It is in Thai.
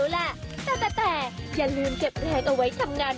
ไม่ทำงาน